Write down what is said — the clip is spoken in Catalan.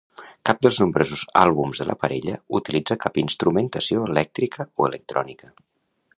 Cap dels nombrosos àlbums de la parella utilitza cap instrumentació elèctrica o electrònica.